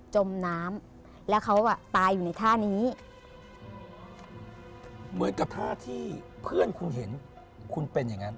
จมน้ำแล้วเขาอ่ะตายอยู่ในท่านี้เหมือนกับท่าที่เพื่อนคุณเห็นคุณเป็นอย่างนั้น